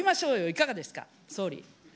いかがですか、総理。